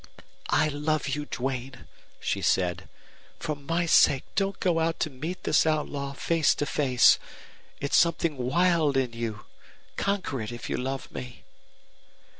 "I love you, Duane!" she said. "For my sake don't go out to meet this outlaw face to face. It's something wild in you. Conquer it if you love me."